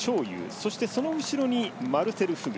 そして、その後ろマルセル・フグ。